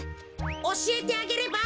おしえてあげれば？